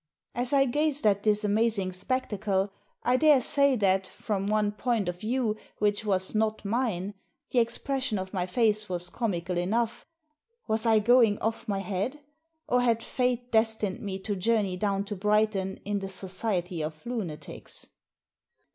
As I gazed at this amazing spectacle I daresay that, from one point of view, which was not mine, the expression of my face was comical enough. Was I going off my head ? Or had fate destined me to journey down to Brighton in the society of lunatics